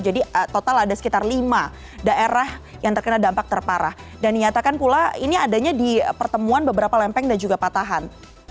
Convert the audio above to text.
jadi total ada sekitar lima daerah yang terkena dampak terparah dan nyatakan pula ini adanya di pertemuan beberapa lempeng dan juga patahan